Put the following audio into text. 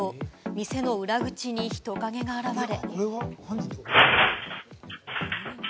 店の裏口に人影が現れ。